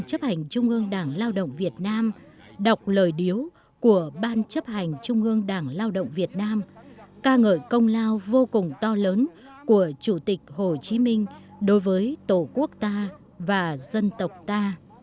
ban chấp hành trung ương đảng lao động việt nam đọc lời điếu của ban chấp hành trung ương đảng lao động việt nam ca ngợi công lao vô cùng to lớn của chủ tịch hồ chí minh đối với tổ quốc ta và dân tộc ta